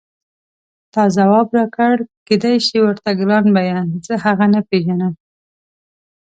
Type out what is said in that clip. تا ځواب راکړ کېدای شي ورته ګران به یم زه هغه نه پېژنم.